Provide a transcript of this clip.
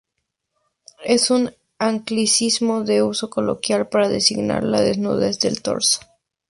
Es un anglicismo de uso coloquial para designar la desnudez del torso.